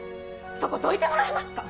そこどいてもらえますか！